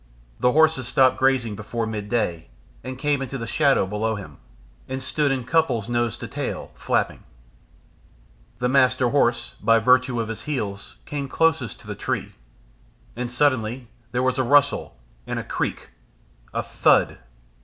The horses stopped grazing before midday, and came into the shadow below him, and stood in couples nose to tail, flapping. The Master Horse, by virtue of his heels, came closest to the tree. And suddenly there was a rustle and a creak, a thud....